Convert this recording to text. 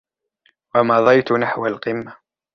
ومضيت نحو القمة